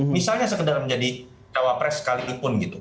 misalnya sekedar menjadi cawapres sekalipun gitu